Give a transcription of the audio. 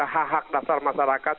hak hak dasar masyarakat